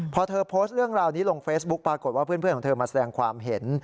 พอเธอโพสต์เรื่องราวนี้ลงเฟซบุ๊คปรากฏว่าเพื่อนของเธอมาแสดงความเห็น